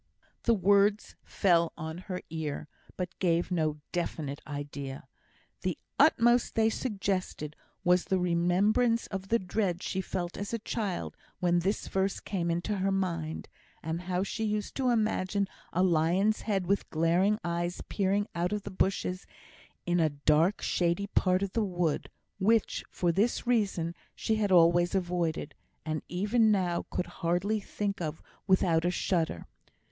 The words fell on her ear, but gave no definite idea. The utmost they suggested was the remembrance of the dread she felt as a child when this verse came into her mind, and how she used to imagine a lion's head with glaring eyes peering out of the bushes in a dark shady part of the wood, which, for this reason, she had always avoided, and even now could hardly think of without a shudder.